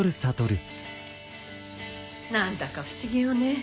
何だか不思議よね。